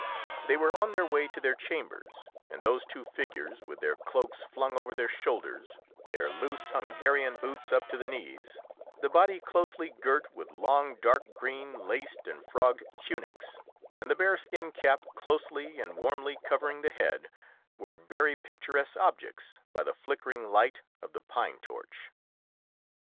They were on their way to their chambers, and those two figures, with their cloaks flung over their shoulders, their loose Hungarian boots up to the knees, the body closely girt with long dark green laced and frogged tunics, and the bear skin cap closely and warmly covering the head, were very picturesque objects by the flickering light of the pine torch.